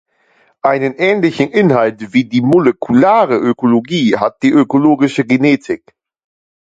Einen ähnlichen Inhalt wie die molekulare Ökologie hat die ökologische Genetik.